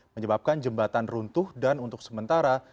menyebabkan jembatan runtuh dan untuk sementara